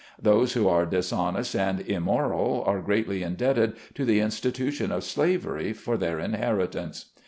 Those who are dishonest and immoral are greatly indebted to the institution of slavery, for their inheritance.